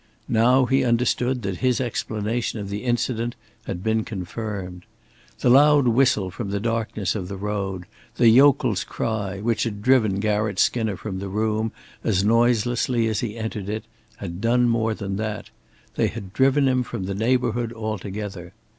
Now he understood that his explanation of the incident had been confirmed. The loud whistle from the darkness of the road, the yokel's cry, which had driven Garratt Skinner from the room, as noiselessly as he had entered it, had done more than that they had driven him from the neighborhood altogether.